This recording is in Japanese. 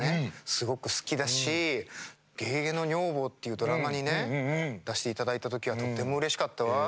すごく好きだし「ゲゲゲの女房」っていうドラマにね出していただいた時はとってもうれしかったわ。